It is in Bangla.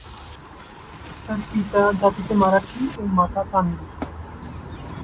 তার পিতা জাতিতে মারাঠি ও মাতা তামিল।